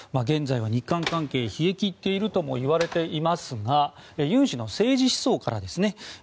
現在は日韓関係、冷え切っているともいわれていますがユン氏の政治思想からです。